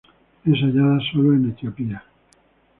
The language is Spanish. Es hallada solo en Etiopía.